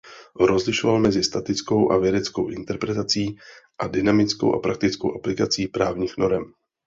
Rozlišoval mezi statickou a vědeckou interpretací a dynamickou a praktickou aplikací právních norem.